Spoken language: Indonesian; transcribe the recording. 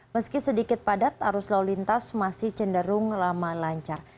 meski sedikit padat arus lalu lintas masih cenderung lama lancar